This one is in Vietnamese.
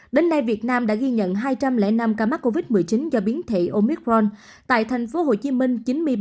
đến nay việt nam đã ghi nhận hai trăm linh năm ca mắc covid một mươi chín do biến thị omicron tại thành phố hồ chí minh chín mươi bảy